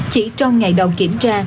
chỉ trong ngày đầu kiểm tra